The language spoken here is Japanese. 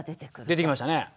出てきましたね。